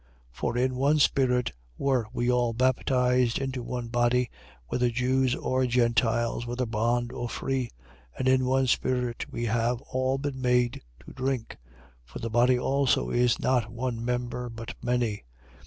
12:13. For in one Spirit were we all baptized into one body, whether Jews or Gentiles, whether bond or free: and in one Spirit we have all been made to drink. 12:14. For the body also is not one member, but many.